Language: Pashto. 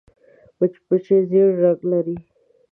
مچمچۍ ژیړ رنګ لري